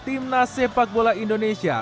tim nas sepak bola indonesia